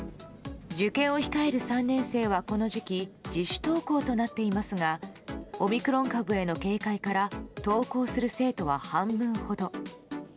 受験を控える３年生はこの時期自主登校となっていますがオミクロン株への警戒から登校する生徒は半分ほど。